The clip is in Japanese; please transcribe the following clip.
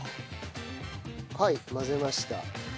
はい混ぜました。